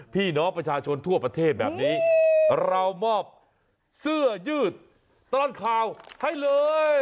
พี่น้องประชาชนทั่วประเทศแบบนี้เรามอบเสื้อยืดตลอดข่าวให้เลย